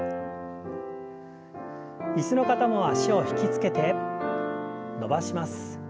椅子の方も脚を引き付けて伸ばします。